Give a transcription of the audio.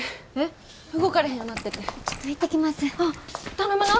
頼むな！